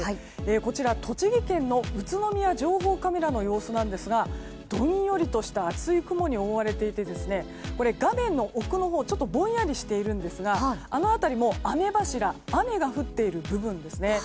こちら、栃木県の宇都宮情報カメラの様子なんですがどんよりとした厚い雲に覆われていて画面の奥のほうちょっとぼんやりしていますがあの辺りも雨柱雨が降っている部分ですね。